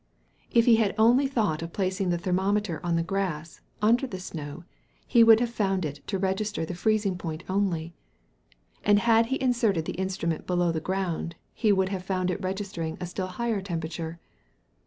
If he had only thought of placing the thermometer on the grass, under the snow, he would have found it to register the freezing point only. And had he inserted the instrument below the ground, he would have found it registering a still higher temperature.